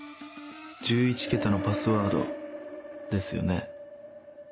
１１桁のパスワードですよね？